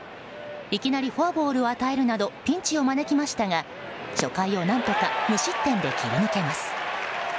いきなりフォアボールを与えるなどピンチを招きましたが初回を何とか無失点で切り抜けます。